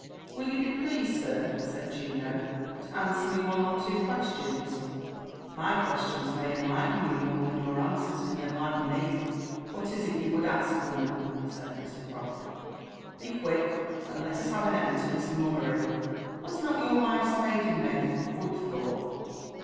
\'«' Will you bei^leased, sir," said Juno, '* to answer me one or two questions ? My questions may enlighten you more than your answers can enlighten me." <' What is it you would ask, woman ?" said Mr. Croft :'' be quick, and let us Have an end to this mummery." '* Was not your wife's maiden name Woodthorpe